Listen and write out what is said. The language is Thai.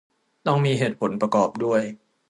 ต้องมีเหตุผลประกอบด้วย